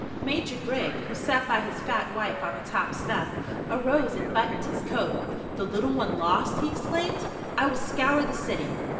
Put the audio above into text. Major Grigg, who sat by his fat wife on the top step, arose and buttoned his coat. "The little one lost?" he exclaimed. "I will scour the city."